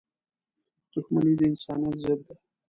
• دښمني د انسانیت ضد ده.